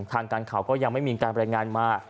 ทางการข่าวก็ยังไม่มีการบรรยายงานมา